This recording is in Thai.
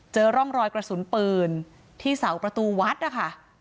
เจอร่องรอยกระสุนปืนที่เสาประตูวัดนะคะ